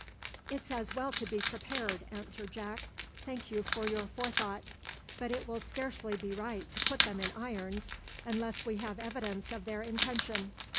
"It's as well to be prepared," answered Jack. "Thank you for your forethought. But it will scarcely be right to put them in irons, unless we have evidence of their intention.